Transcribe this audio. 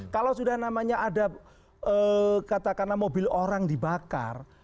kalau sudah namanya ada katakanlah mobil orang dibakar